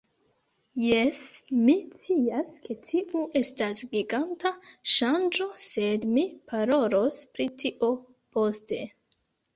Jes, mi scias ke tiu estas giganta ŝanĝo sed mi parolos pri tio poste